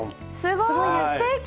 すごいです！